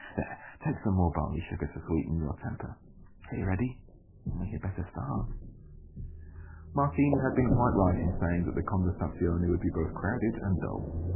There, take some more barley sugar to sweeten your temper. Are you ready? Then we had better start." Martini had been quite right in saying that the conversazione would be both crowded and dull.